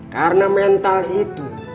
karena mental itu